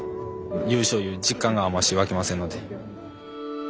優勝いう実感があんまし湧きませんので。